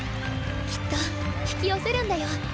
きっと引き寄せるんだよ。